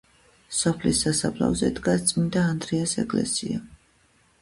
სოფლის სასაფლაოზე დგას წმინდა ანდრიას ეკლესია.